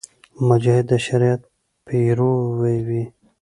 مجاهد د شریعت پیرو وي.